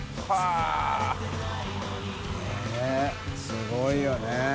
すごいよね。